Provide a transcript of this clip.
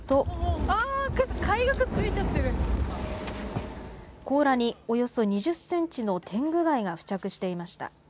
あー、甲羅におよそ２０センチのテングガイが付着していました。